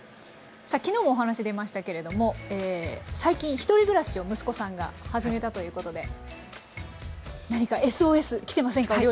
さあ昨日もお話出ましたけれども最近１人暮らしを息子さんが始めたということで何かＳＯＳ来てませんか？